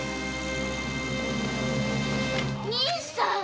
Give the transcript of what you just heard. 兄さん！